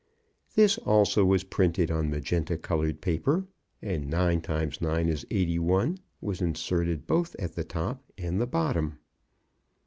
This also was printed on magenta coloured paper, and "nine times nine is eighty one" was inserted both at the top and the bottom.